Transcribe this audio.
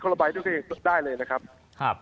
คนละบายด้วยกันได้เลยนะครับ